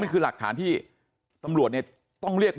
ลูกสาวหลายครั้งแล้วว่าไม่ได้คุยกับแจ๊บเลยลองฟังนะคะ